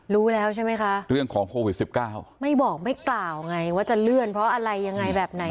รู้แล้วใช่ไหมคะเรื่องของโควิดสิบเก้าไม่บอกไม่กล่าวไงว่าจะเลื่อนเพราะอะไรยังไงแบบไหน